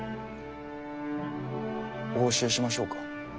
お教えしましょうか？